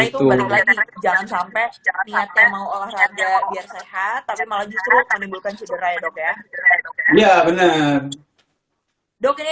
niatnya mau olahraga biar sehat tapi malah justru menimbulkan sederhana ya dok ya iya bener dok ini